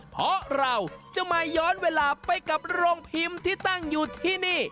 เพราะเราจะมาย้อนเวลาไปกับโรงพิมพ์ที่ตั้งอยู่ที่นี่